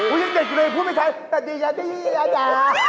อุ๊ยยังเด็กอยู่เลยพูดไม่ช้าแต่เยียดน่า